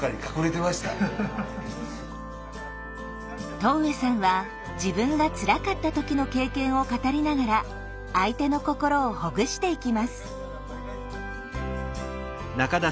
戸上さんは自分がつらかった時の経験を語りながら相手の心をほぐしていきます。